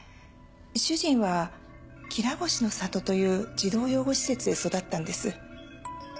主人はきらぼしの里という児童養護施設で育ったんです。